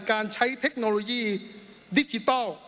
การใช้เทคโนโลยีดิจิทัล